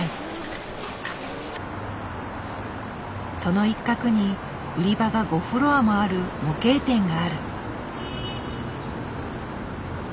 その一角に売り場が５フロアもある模型店がある。